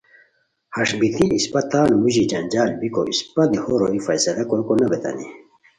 ہݰ بیتی اِسپہ تان موژی جنجال بیکو اِسپہ دیہو روئے فیصلہ کوریکو نو بیتانی